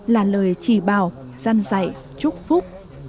là lời chỉ bảo dăn dạy chúc phúc